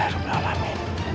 di duniaktir ini